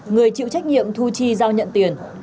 người chịu trách nhiệm thu chi giao nhận tiền